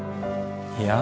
いや。